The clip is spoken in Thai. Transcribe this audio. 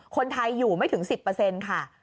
คนไทยอยู่ไม่ถึง๑๐ค่ะ